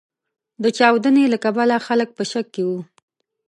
د چاودنې له کبله خلګ په شک کې و.